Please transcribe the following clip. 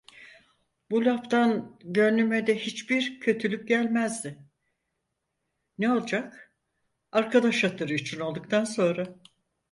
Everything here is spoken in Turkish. Bu laftan gönlüme de hiçbir kötülük gelmezdi, ne olacak, arkadaş hatırı için olduktan sonra…